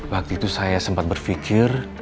waktu itu saya sempat berpikir